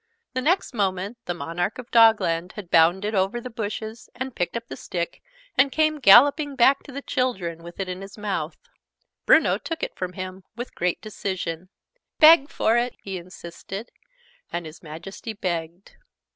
The next moment the Monarch of Dogland had bounded over the bushes, and picked up the stick, and came galloping back to the children with it in his mouth. Bruno took it from him with great decision. "Beg for it!" he insisted; and His Majesty begged.